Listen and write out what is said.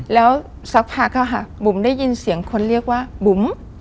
แล้วสักพักค่ะบุ๋มได้ยินเสียงคนเรียกว่าบุ๋ม